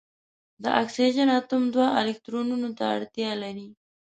د اکسیجن اتوم دوه الکترونونو ته اړتیا لري.